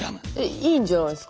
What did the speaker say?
いいんじゃないですか？